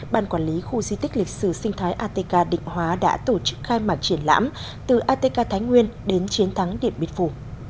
ban quản lý khu di tích lịch sử sinh thái atk định hóa đã tổ chức khai mạc triển lãm từ atk thái nguyên đến chiến thắng điện biên phủ